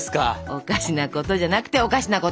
おかしなことじゃなくてお菓子なことですよ。